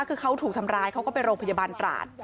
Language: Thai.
คือเขาถูกทำร้ายเขาก็ไปโรงพยาบาลตราด